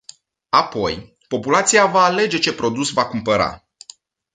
Apoi, populația va alege ce produs va cumpăra.